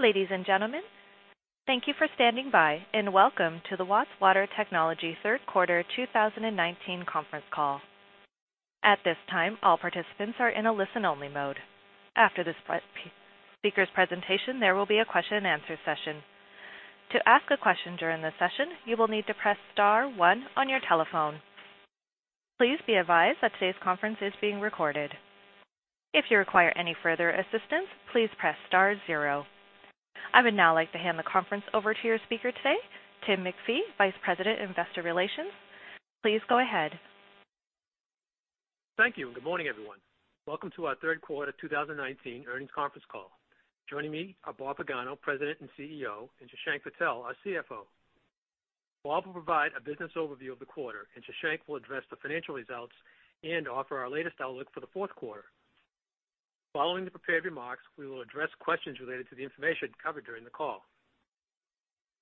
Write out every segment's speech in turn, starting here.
Ladies and gentlemen, thank you for standing by, and welcome to the Watts Water Technologies third quarter 2019 conference call. At this time, all participants are in a listen-only mode. After this speakers presentation, there will be a question-and-answer session. To ask a question during the session, you will need to press star one on your telephone. Please be advised that today's conference is being recorded. If you require any further assistance, please press star zero. I would now like to hand the conference over to your speaker today, Tim MacPhee, Vice President, Investor Relations. Please go ahead. Thank you, and good morning, everyone. Welcome to our third quarter 2019 earnings conference call. Joining me are Rob Pagano, President and CEO, and Shashank Patel, our CFO. Rob will provide a business overview of the quarter, and Shashank will address the financial results and offer our latest outlook for the fourth quarter. Following the prepared remarks, we will address questions related to the information covered during the call.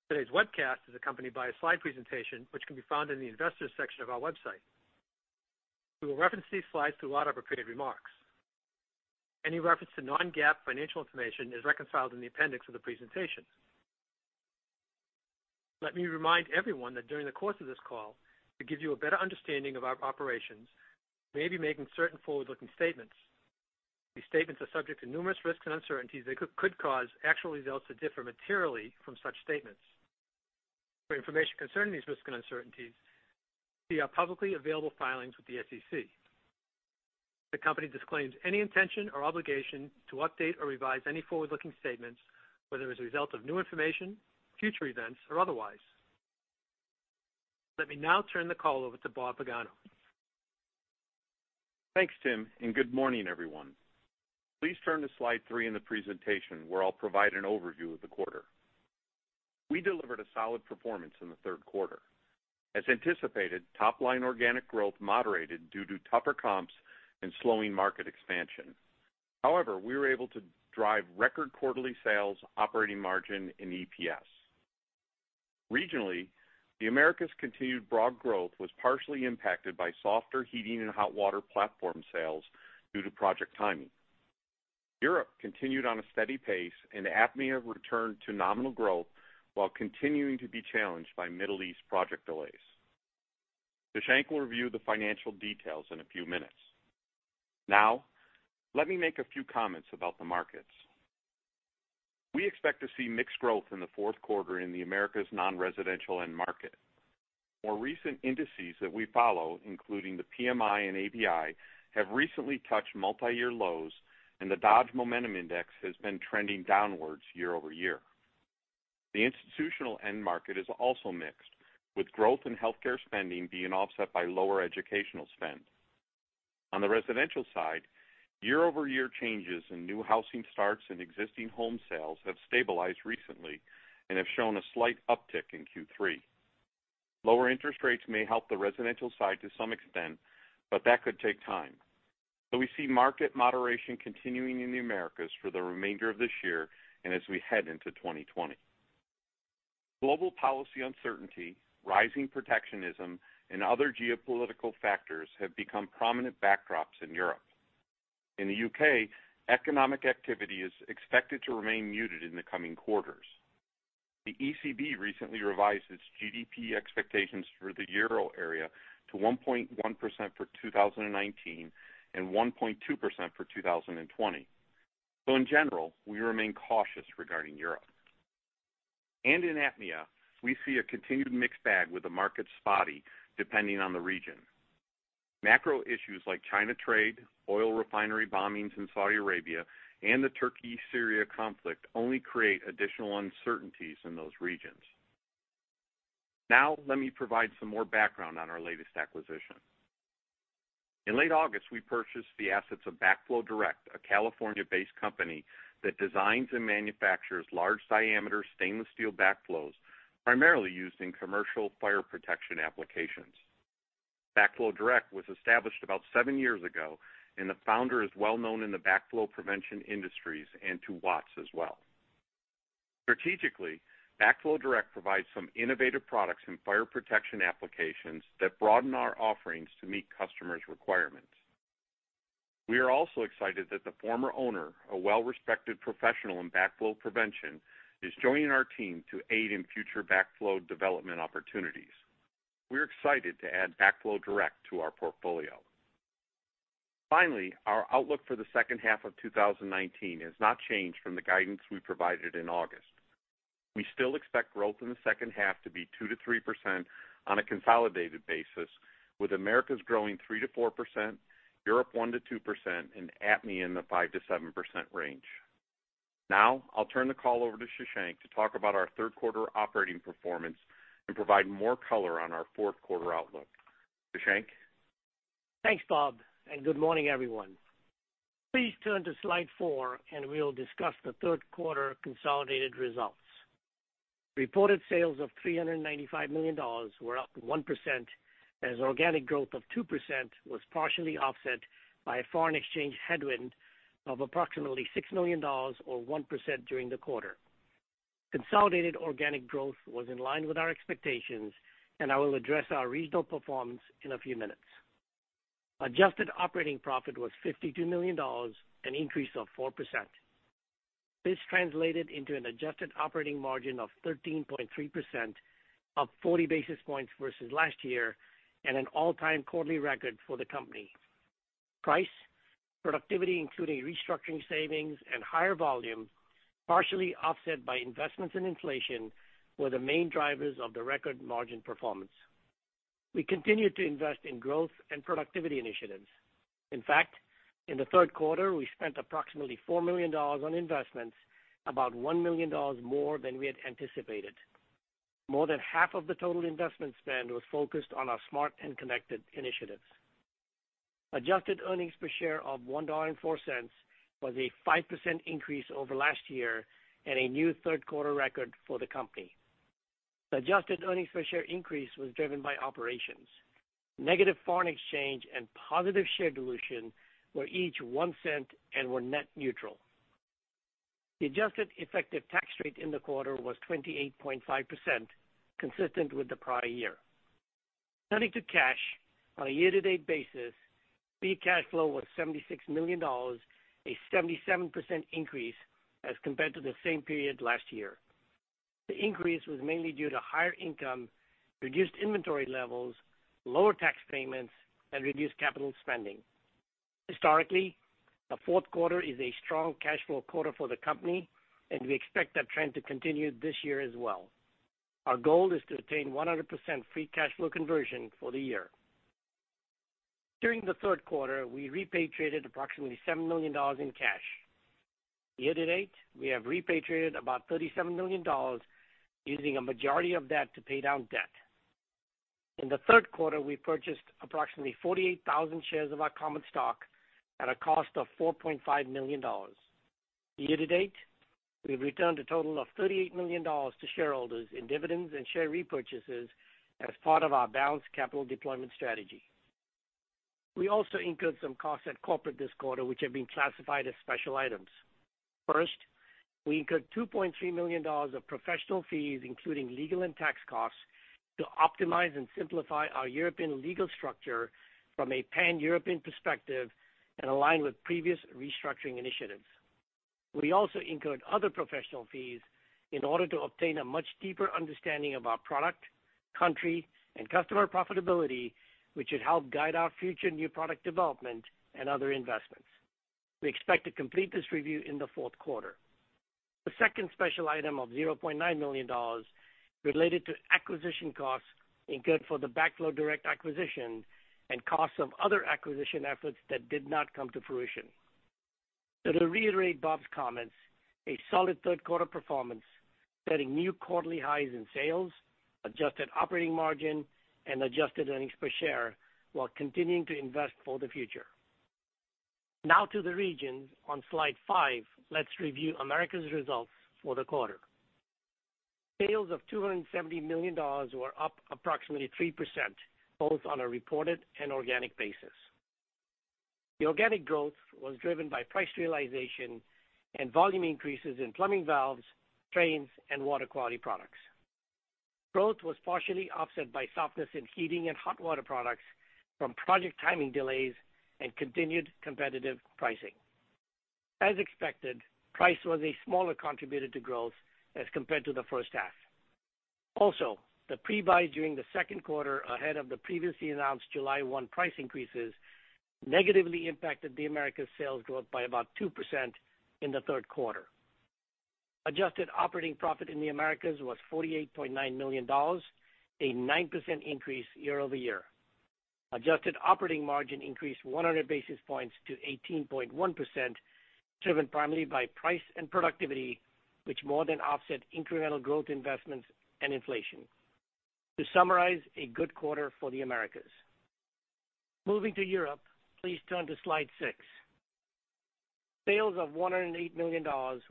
Today's webcast is accompanied by a slide presentation, which can be found in the Investors section of our website. We will reference these slides throughout our prepared remarks. Any reference to non-GAAP financial information is reconciled in the appendix of the presentation. Let me remind everyone that during the course of this call, to give you a better understanding of our operations, may be making certain forward-looking statements. These statements are subject to numerous risks and uncertainties that could cause actual results to differ materially from such statements. For information concerning these risks and uncertainties, see our publicly available filings with the SEC. The company disclaims any intention or obligation to update or revise any forward-looking statements, whether as a result of new information, future events, or otherwise. Let me now turn the call over to Rob Pagano. Thanks, Tim, and good morning, everyone. Please turn to Slide three in the presentation, where I'll provide an overview of the quarter. We delivered a solid performance in the third quarter. As anticipated, top-line organic growth moderated due to tougher comps and slowing market expansion. However, we were able to drive record quarterly sales, operating margin in EPS. Regionally, the Americas' continued broad growth was partially impacted by softer heating and hot water platform sales due to project timing. Europe continued on a steady pace, and APMEA returned to nominal growth while continuing to be challenged by Middle East project delays. Shashank will review the financial details in a few minutes. Now, let me make a few comments about the markets. We expect to see mixed growth in the fourth quarter in the Americas non-residential end market. More recent indices that we follow, including the PMI and ABI, have recently touched multiyear lows, and the Dodge Momentum Index has been trending downwards year-over-year. The institutional end market is also mixed, with growth in healthcare spending being offset by lower educational spend. On the residential side, year-over-year changes in new housing starts and existing home sales have stabilized recently and have shown a slight uptick in Q3. Lower interest rates may help the residential side to some extent, but that could take time. So we see market moderation continuing in the Americas for the remainder of this year and as we head into 2020. Global policy uncertainty, rising protectionism, and other geopolitical factors have become prominent backdrops in Europe. In the U.K., economic activity is expected to remain muted in the coming quarters. The ECB recently revised its GDP expectations for the euro area to 1.1% for 2019 and 1.2% for 2020. So in general, we remain cautious regarding Europe. In APMEA, we see a continued mixed bag with the market spotty, depending on the region. Macro issues like China trade, oil refinery bombings in Saudi Arabia, and the Turkey-Syria conflict only create additional uncertainties in those regions. Now, let me provide some more background on our latest acquisition. In late August, we purchased the assets of Backflow Direct, a California-based company that designs and manufactures large-diameter stainless steel backflows, primarily used in commercial fire protection applications. Backflow Direct was established about 7 years ago, and the founder is well-known in the backflow prevention industries and to Watts as well. Strategically, Backflow Direct provides some innovative products in fire protection applications that broaden our offerings to meet customers' requirements. We are also excited that the former owner, a well-respected professional in backflow prevention, is joining our team to aid in future backflow development opportunities. We're excited to add Backflow Direct to our portfolio. Finally, our outlook for the second half of 2019 has not changed from the guidance we provided in August. We still expect growth in the second half to be 2%-3% on a consolidated basis, with Americas growing 3%-4%, Europe 1%-2%, and APMEA in the 5%-7% range. Now, I'll turn the call over to Shashank to talk about our third quarter operating performance and provide more color on our fourth quarter outlook. Shashank? Thanks, Rob, and good morning, everyone. Please turn to Slide four, and we'll discuss the third quarter consolidated results. Reported sales of $395 million were up 1%, as organic growth of 2% was partially offset by a foreign exchange headwind of approximately $6 million, or 1%, during the quarter. Consolidated organic growth was in line with our expectations, and I will address our regional performance in a few minutes. ...Adjusted operating profit was $52 million, an increase of 4%. This translated into an adjusted operating margin of 13.3%, up 40 basis points versus last year, and an all-time quarterly record for the company. Price, productivity, including restructuring savings and higher volume, partially offset by investments and inflation, were the main drivers of the record margin performance. We continued to invest in growth and productivity initiatives. In fact, in the third quarter, we spent approximately $4 million on investments, about $1 million more than we had anticipated. More than half of the total investment spend was focused on our smart and connected initiatives. Adjusted earnings per share of $1.04 was a 5% increase over last year and a new third quarter record for the company. The adjusted earnings per share increase was driven by operations. Negative foreign exchange and positive share dilution were each 1one cent and were net neutral. The adjusted effective tax rate in the quarter was 28.5%, consistent with the prior year. Turning to cash on a year-to-date basis, free cash flow was $76 million, a 77% increase as compared to the same period last year. The increase was mainly due to higher income, reduced inventory levels, lower tax payments, and reduced capital spending. Historically, the fourth quarter is a strong cash flow quarter for the company, and we expect that trend to continue this year as well. Our goal is to attain 100% free cash flow conversion for the year. During the third quarter, we repatriated approximately $7 million in cash. Year to date, we have repatriated about $37 million, using a majority of that to pay down debt. In the third quarter, we purchased approximately 48,000 shares of our common stock at a cost of $4.5 million. Year to date, we've returned a total of $38 million to shareholders in dividends and share repurchases as part of our balanced capital deployment strategy. We also incurred some costs at corporate this quarter, which have been classified as special items. First, we incurred $2.3 million of professional fees, including legal and tax costs, to optimize and simplify our European legal structure from a pan-European perspective and align with previous restructuring initiatives. We also incurred other professional fees in order to obtain a much deeper understanding of our product, country, and customer profitability, which should help guide our future new product development and other investments. We expect to complete this review in the fourth quarter. The second special item of $0.9 million related to acquisition costs incurred for the Backflow Direct acquisition and costs of other acquisition efforts that did not come to fruition. So to reiterate Rob's comments, a solid third quarter performance, setting new quarterly highs in sales, adjusted operating margin, and adjusted earnings per share, while continuing to invest for the future. Now to the regions. On Slide five, let's review Americas results for the quarter. Sales of $270 million were up approximately 3%, both on a reported and organic basis. The organic growth was driven by price realization and volume increases in plumbing valves, drains, and water quality products. Growth was partially offset by softness in heating and hot water products from project timing delays and continued competitive pricing. As expected, price was a smaller contributor to growth as compared to the first half. Also, the pre-buy during the second quarter, ahead of the previously announced July 1 price increases, negatively impacted the Americas sales growth by about 2% in the third quarter. Adjusted operating profit in the Americas was $48.9 million, a 9% increase year-over-year. Adjusted operating margin increased 100 basis points to 18.1%, driven primarily by price and productivity, which more than offset incremental growth investments and inflation. To summarize, a good quarter for the Americas. Moving to Europe, please turn to Slide six. Sales of $108 million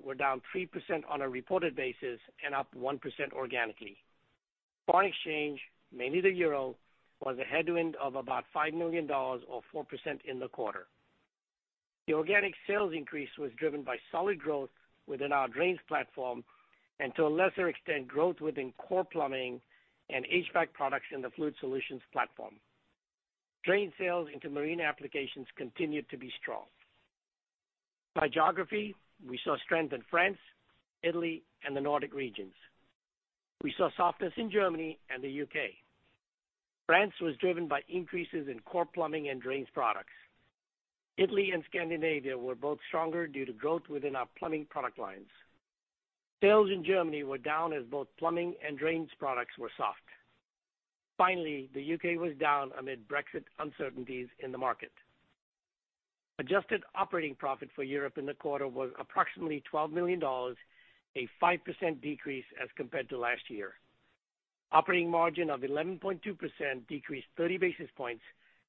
were down 3% on a reported basis and up 1% organically. Foreign exchange, mainly the euro, was a headwind of about $5 million or 4% in the quarter. The organic sales increase was driven by solid growth within our drains platform and, to a lesser extent, growth within core plumbing and HVAC products in the fluid solutions platform. Drain sales into marine applications continued to be strong. By geography, we saw strength in France, Italy, and the Nordic regions. We saw softness in Germany and the UK. France was driven by increases in core plumbing and drains products. Italy and Scandinavia were both stronger due to growth within our plumbing product lines. Sales in Germany were down as both plumbing and drains products were soft. Finally, the UK was down amid Brexit uncertainties in the market. Adjusted operating profit for Europe in the quarter was approximately $12 million, a 5% decrease as compared to last year. Operating margin of 11.2% decreased 30 basis points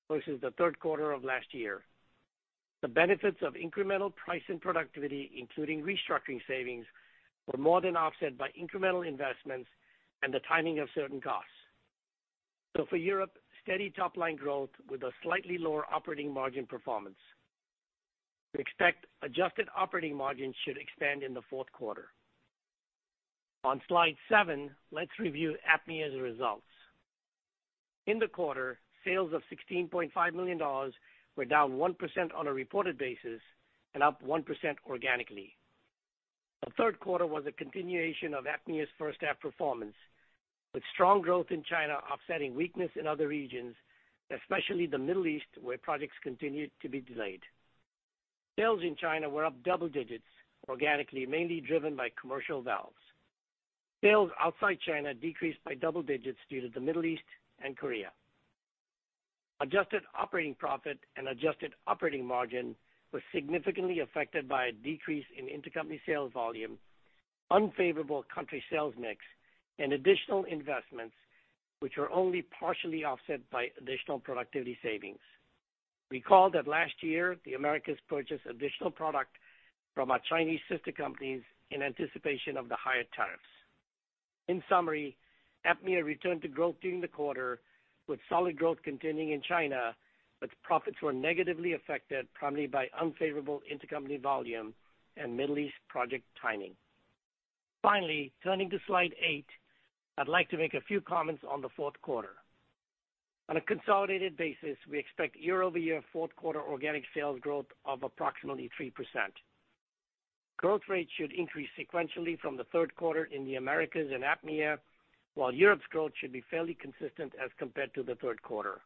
versus the third quarter of last year. The benefits of incremental price and productivity, including restructuring savings, were more than offset by incremental investments and the timing of certain costs. So for Europe, steady top line growth with a slightly lower operating margin performance. We expect adjusted operating margin should expand in the fourth quarter. On Slide seven, let's review APMEA's results. In the quarter, sales of $16.5 million were down 1% on a reported basis and up 1% organically. The third quarter was a continuation of APMEA's first half performance, with strong growth in China offsetting weakness in other regions, especially the Middle East, where projects continued to be delayed. Sales in China were up double digits organically, mainly driven by commercial valves. Sales outside China decreased by double digits due to the Middle East and Korea. Adjusted operating profit and adjusted operating margin were significantly affected by a decrease in intercompany sales volume, unfavorable country sales mix, and additional investments, which were only partially offset by additional productivity savings. Recall that last year, the Americas purchased additional product from our Chinese sister companies in anticipation of the higher tariffs. In summary, APMEA returned to growth during the quarter, with solid growth continuing in China, but profits were negatively affected, primarily by unfavorable intercompany volume and Middle East project timing. Finally, turning to Slide eight, I'd like to make a few comments on the fourth quarter. On a consolidated basis, we expect year-over-year fourth quarter organic sales growth of approximately 3%. Growth rates should increase sequentially from the third quarter in the Americas and APMEA, while Europe's growth should be fairly consistent as compared to the third quarter.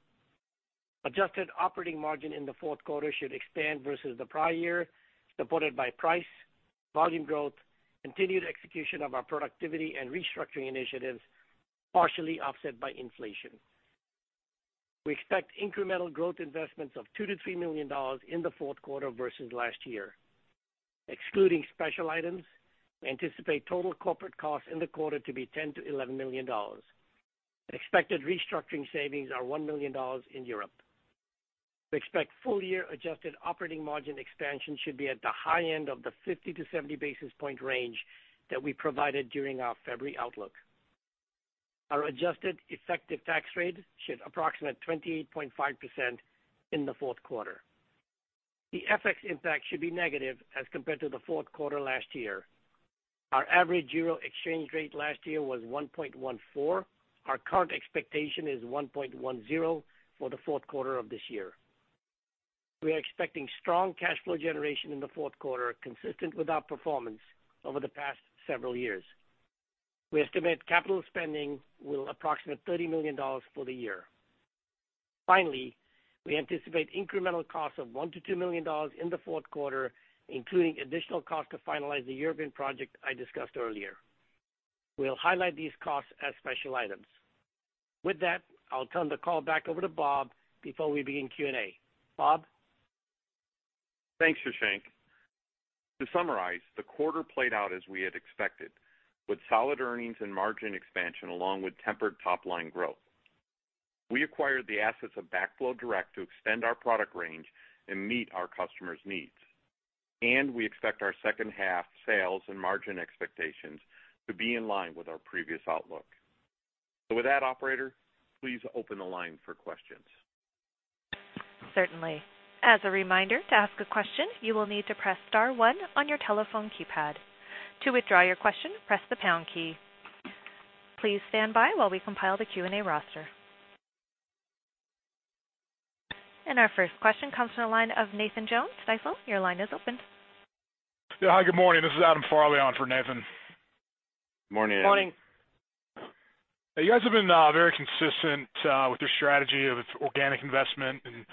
Adjusted operating margin in the fourth quarter should expand versus the prior year, supported by price, volume growth, continued execution of our productivity and restructuring initiatives, partially offset by inflation. We expect incremental growth investments of $2 million-$3 million in the fourth quarter versus last year. Excluding special items, we anticipate total corporate costs in the quarter to be $10 million-$11 million. Expected restructuring savings are $1 million in Europe. We expect full-year adjusted operating margin expansion should be at the high end of the 50-70 basis points range that we provided during our February outlook. Our adjusted effective tax rate should approximate 28.5% in the fourth quarter. The FX impact should be negative as compared to the fourth quarter last year. Our average euro exchange rate last year was 1.14. Our current expectation is 1.10 for the fourth quarter of this year. We are expecting strong cash flow generation in the fourth quarter, consistent with our performance over the past several years. We estimate capital spending will approximate $30 million for the year. Finally, we anticipate incremental costs of $1 million-$2 million in the fourth quarter, including additional costs to finalize the European project I discussed earlier. We'll highlight these costs as special items. With that, I'll turn the call back over to Rob before we begin Q&A. Rob? Thanks, Shashank. To summarize, the quarter played out as we had expected, with solid earnings and margin expansion, along with tempered top line growth. We acquired the assets of Backflow Direct to extend our product range and meet our customers' needs, and we expect our second half sales and margin expectations to be in line with our previous outlook. So with that, operator, please open the line for questions. Certainly. As a reminder, to ask a question, you will need to press star one on your telephone keypad. To withdraw your question, press the pound key. Please stand by while we compile the Q&A roster. Our first question comes from the line of Nathan Jones, Stifel. Your line is open. Yeah, hi, good morning. This is Adam Farley on for Nathan. Morning, Adam. Morning. You guys have been very consistent with your strategy of organic investment and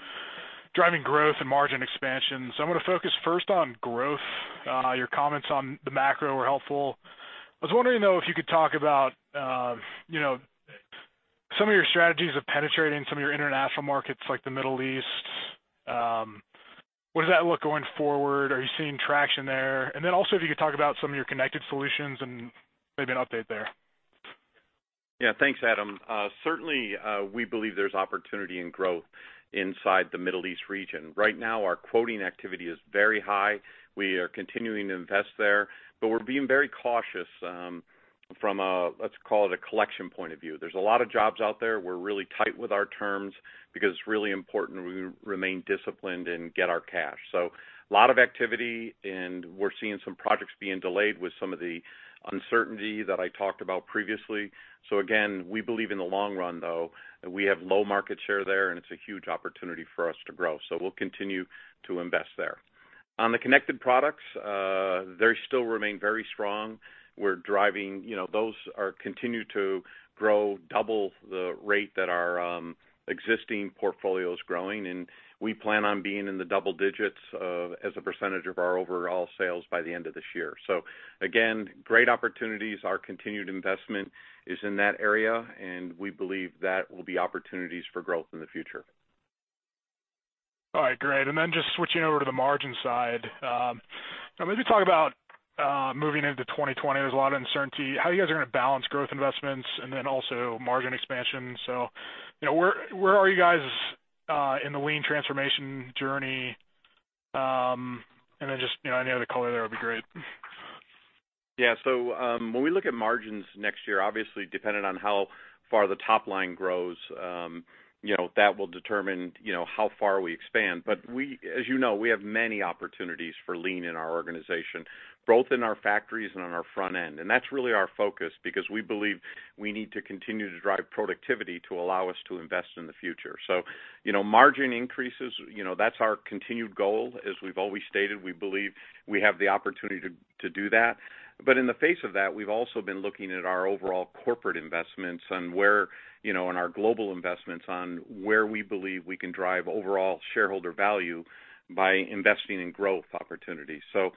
driving growth and margin expansion. So I'm going to focus first on growth. Your comments on the macro were helpful. I was wondering, though, if you could talk about, you know, some of your strategies of penetrating some of your international markets, like the Middle East. What does that look going forward? Are you seeing traction there? And then also, if you could talk about some of your connected solutions and maybe an update there. Yeah, thanks, Adam. Certainly, we believe there's opportunity and growth inside the Middle East region. Right now, our quoting activity is very high. We are continuing to invest there, but we're being very cautious, from a, let's call it, a collection point of view. There's a lot of jobs out there. We're really tight with our terms because it's really important we remain disciplined and get our cash. So a lot of activity, and we're seeing some projects being delayed with some of the uncertainty that I talked about previously. So again, we believe in the long run, though, that we have low market share there, and it's a huge opportunity for us to grow, so we'll continue to invest there. On the connected products, they still remain very strong. We're driving, you know, those continue to grow double the rate that our existing portfolio is growing, and we plan on being in the double digits as a percentage of our overall sales by the end of this year. So again, great opportunities. Our continued investment is in that area, and we believe that will be opportunities for growth in the future. All right, great. And then just switching over to the margin side, maybe talk about moving into 2020, there's a lot of uncertainty how you guys are gonna balance growth investments and then also margin expansion. So, you know, where are you guys in the lean transformation journey? And then just, you know, any other color there would be great.... Yeah, so, when we look at margins next year, obviously dependent on how far the top line grows, you know, that will determine, you know, how far we expand. But we, as you know, we have many opportunities for lean in our organization, both in our factories and on our front end. And that's really our focus, because we believe we need to continue to drive productivity to allow us to invest in the future. So, you know, margin increases, you know, that's our continued goal. As we've always stated, we believe we have the opportunity to, to do that. But in the face of that, we've also been looking at our overall corporate investments and where, you know, in our global investments, on where we believe we can drive overall shareholder value by investing in growth opportunities. So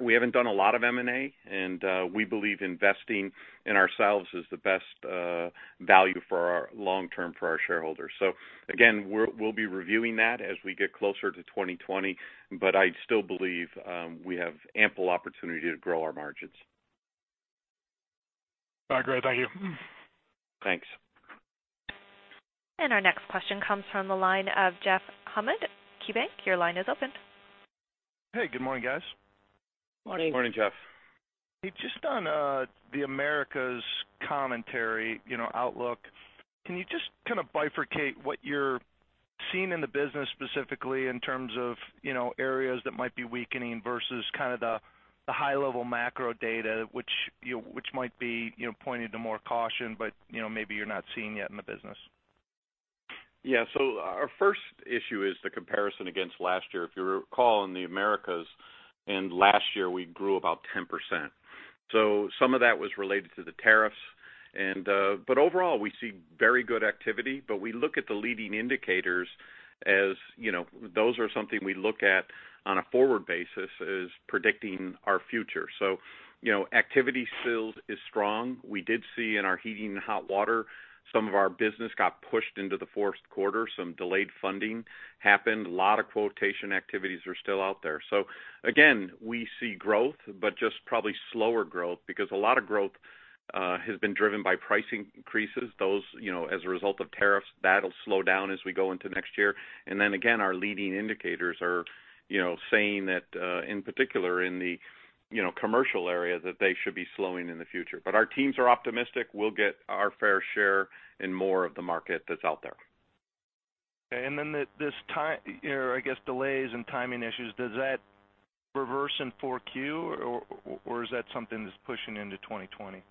we haven't done a lot of M&A, and we believe investing in ourselves is the best value for our long term for our shareholders. So again, we'll be reviewing that as we get closer to 2020, but I still believe we have ample opportunity to grow our margins. All right, great. Thank you. Thanks. Our next question comes from the line of Jeff Hammond, KeyBanc. Your line is open. Hey, good morning, guys. Good morning, Jeff. Hey, just on the Americas commentary, you know, outlook, can you just kind of bifurcate what you're seeing in the business, specifically in terms of, you know, areas that might be weakening versus kind of the, the high-level macro data which might be, you know, pointing to more caution, but, you know, maybe you're not seeing yet in the business? Yeah. So our first issue is the comparison against last year. If you recall, in the Americas, in last year, we grew about 10%. So some of that was related to the tariffs, and, but overall, we see very good activity. But we look at the leading indicators. As you know, those are something we look at on a forward basis as predicting our future. So, you know, activity still is strong. We did see in our heating and hot water, some of our business got pushed into the fourth quarter. Some delayed funding happened. A lot of quotation activities are still out there. So again, we see growth, but just probably slower growth, because a lot of growth has been driven by pricing increases. Those, you know, as a result of tariffs, that'll slow down as we go into next year. And then again, our leading indicators are, you know, saying that, in particular, in the, you know, commercial area, that they should be slowing in the future. But our teams are optimistic we'll get our fair share in more of the market that's out there. And then this or I guess, delays and timing issues, does that reverse in 4Q, or, or is that something that's pushing into 2020?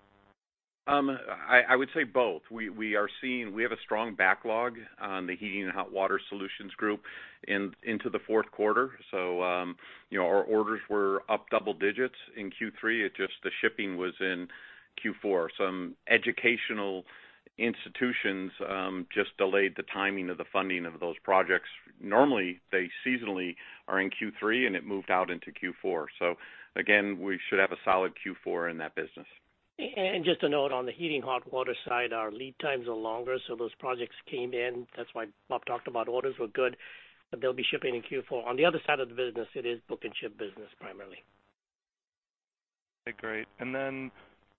I would say both. We are seeing we have a strong backlog on the heating and hot water solutions group into the fourth quarter. So, you know, our orders were up double digits in Q3. It just, the shipping was in Q4. Some educational institutions just delayed the timing of the funding of those projects. Normally, they seasonally are in Q3, and it moved out into Q4. So again, we should have a solid Q4 in that business. Just a note on the heating hot water side, our lead times are longer, so those projects came in. That's why Rob talked about orders were good, but they'll be shipping in Q4. On the other side of the business, it is book and ship business primarily. Okay, great. And then,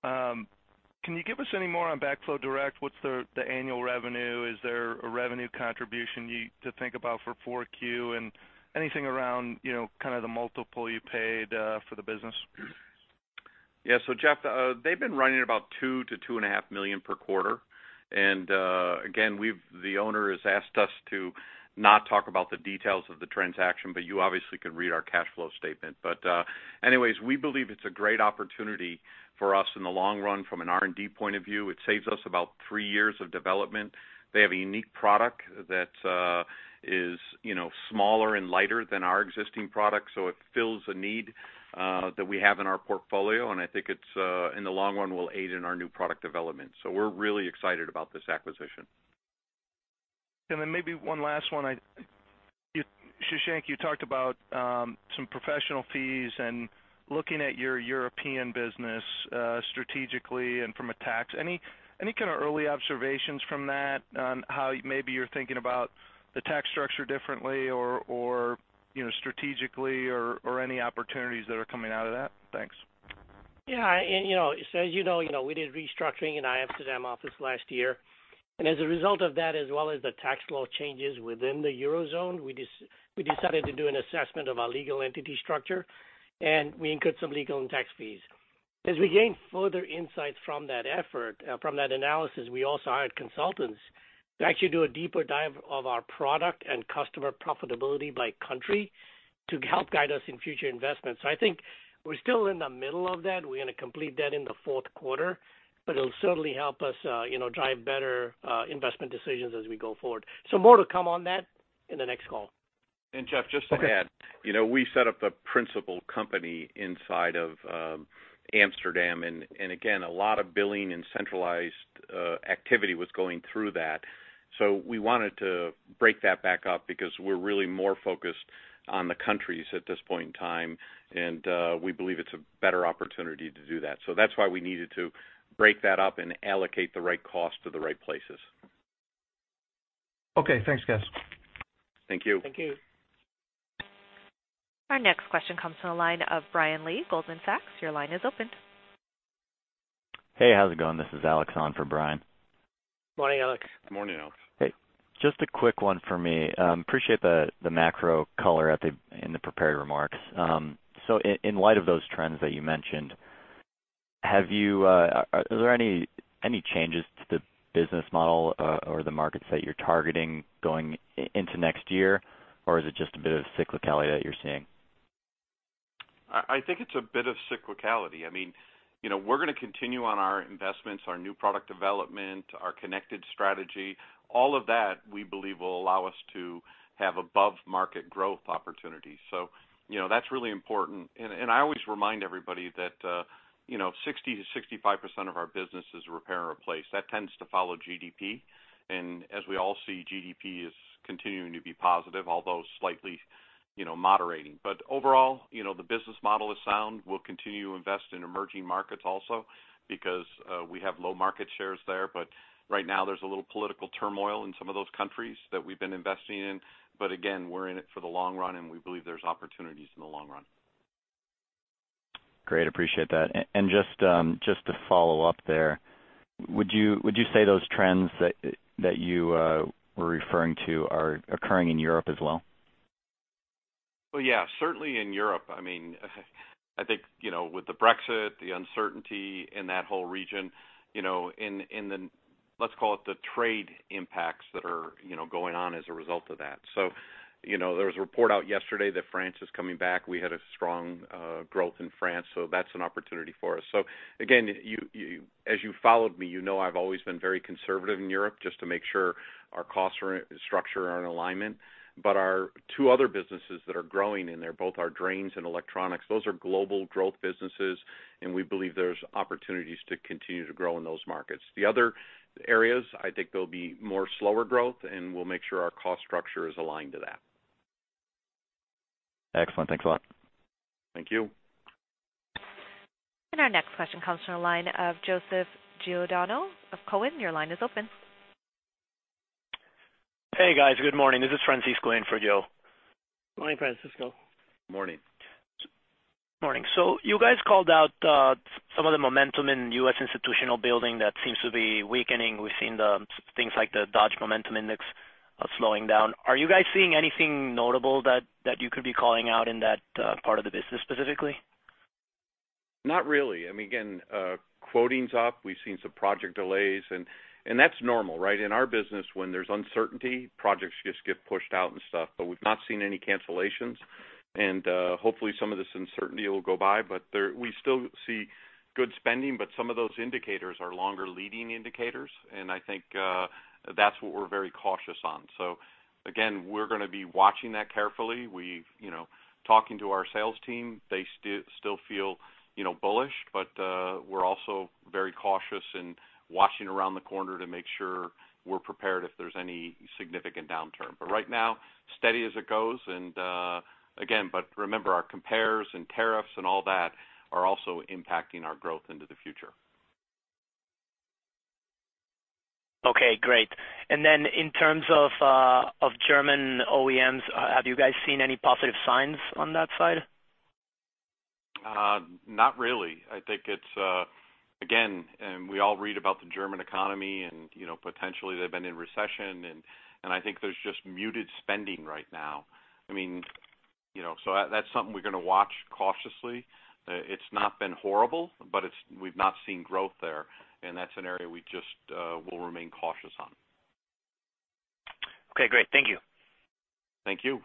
can you give us any more on Backflow Direct? What's the annual revenue? Is there a revenue contribution you to think about for 4Q, and anything around, you know, kind of the multiple you paid for the business? Yeah. So Jeff, they've been running about $2-$2.5 million per quarter. And, again, we've, the owner has asked us to not talk about the details of the transaction, but you obviously can read our cash flow statement. But, anyways, we believe it's a great opportunity for us in the long run, from an R&D point of view. It saves us about three years of development. They have a unique product that, is, you know, smaller and lighter than our existing product, so it fills a need, that we have in our portfolio, and I think it's, in the long run, will aid in our new product development. So we're really excited about this acquisition. And then maybe one last one. Shashank, you talked about some professional fees and looking at your European business strategically and from a tax. Any, any kind of early observations from that on how maybe you're thinking about the tax structure differently or, or, you know, strategically, or, or any opportunities that are coming out of that? Thanks. Yeah, and, you know, so as you know, you know, we did restructuring in our Amsterdam office last year, and as a result of that, as well as the tax law changes within the Eurozone, we decided to do an assessment of our legal entity structure, and we incurred some legal and tax fees. As we gained further insights from that effort, from that analysis, we also hired consultants to actually do a deeper dive of our product and customer profitability by country to help guide us in future investments. So I think we're still in the middle of that. We're gonna complete that in the fourth quarter, but it'll certainly help us, you know, drive better investment decisions as we go forward. So more to come on that in the next call. Jeff, just to add- Okay. You know, we set up a principal company inside of Amsterdam, and again, a lot of billing and centralized activity was going through that. So we wanted to break that back up because we're really more focused on the countries at this point in time, and we believe it's a better opportunity to do that. So that's why we needed to break that up and allocate the right cost to the right places. Okay, thanks, guys. Thank you. Thank you. Our next question comes from the line of Brian Lee, Goldman Sachs. Your line is open. Hey, how's it going? This is Alex on for Brian. Morning, Alex. Morning, Alex. Hey, just a quick one for me. Appreciate the macro color in the prepared remarks. So in light of those trends that you mentioned, have you, are there any changes to the business model or the markets that you're targeting going into next year? Or is it just a bit of cyclicality that you're seeing? I think it's a bit of cyclicality. I mean, you know, we're gonna continue on our investments, our new product development, our connected strategy. All of that, we believe, will allow us to have above market growth opportunities. So, you know, that's really important. And I always remind everybody that, you know, 60%-65% of our business is repair and replace. That tends to follow GDP, and as we all see, GDP is continuing to be positive, although slightly, you know, moderating. But overall, you know, the business model is sound. We'll continue to invest in emerging markets also, because we have low market shares there. But right now, there's a little political turmoil in some of those countries that we've been investing in. But again, we're in it for the long run, and we believe there's opportunities in the long run. Great. Appreciate that. And just to follow up there, would you say those trends that you were referring to are occurring in Europe as well? Well, yeah, certainly in Europe. I mean, I think, you know, with the Brexit, the uncertainty in that whole region, you know, in the... let's call it, the trade impacts that are, you know, going on as a result of that. So, you know, there was a report out yesterday that France is coming back. We had a strong growth in France, so that's an opportunity for us. So again, you—as you followed me, you know I've always been very conservative in Europe, just to make sure our costs are, structure are in alignment. But our two other businesses that are growing in there, both our drains and electronics, those are global growth businesses, and we believe there's opportunities to continue to grow in those markets. The other areas, I think there'll be more slower growth, and we'll make sure our cost structure is aligned to that. Excellent. Thanks a lot. Thank you. Our next question comes from the line of Joseph Giordano of Cowen. Your line is open. Hey, guys. Good morning. This is Francisco in for Joe. Morning, Francisco. Morning. Morning. So you guys called out some of the momentum in U.S. institutional building that seems to be weakening. We've seen the things like the Dodge Momentum Index slowing down. Are you guys seeing anything notable that you could be calling out in that part of the business, specifically? Not really. I mean, again, quoting's up. We've seen some project delays, and, and that's normal, right? In our business, when there's uncertainty, projects just get pushed out and stuff, but we've not seen any cancellations, and, hopefully, some of this uncertainty will go by. But there-- we still see good spending, but some of those indicators are longer leading indicators, and I think, that's what we're very cautious on. So again, we're gonna be watching that carefully. We've, you know, talking to our sales team, they still, still feel, you know, bullish, but, we're also very cautious in watching around the corner to make sure we're prepared if there's any significant downturn. But right now, steady as it goes, and, again, but remember, our compares and tariffs and all that are also impacting our growth into the future. Okay, great. And then in terms of German OEMs, have you guys seen any positive signs on that side? Not really. I think it's. Again, and we all read about the German economy, and, you know, potentially they've been in recession, and I think there's just muted spending right now. I mean, you know, so that, that's something we're gonna watch cautiously. It's not been horrible, but it's, we've not seen growth there, and that's an area we just will remain cautious on. Okay, great. Thank you. Thank you.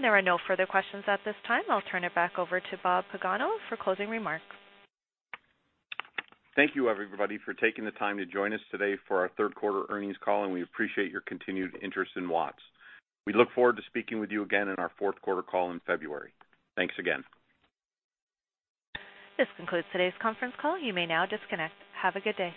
There are no further questions at this time. I'll turn it back over to Rob Pagano for closing remarks. Thank you, everybody, for taking the time to join us today for our third quarter earnings call, and we appreciate your continued interest in Watts. We look forward to speaking with you again in our fourth quarter call in February. Thanks again. This concludes today's conference call. You may now disconnect. Have a good day.